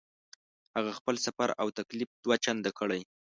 هغه خپل سفر او تکلیف دوه چنده کړی.